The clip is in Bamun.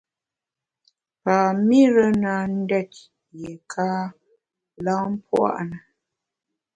Pam-ire na ndét yiéka lam pua’ na.